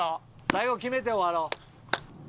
最後決めて終わろう。